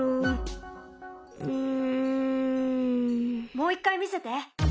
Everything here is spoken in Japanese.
もう一回見せて。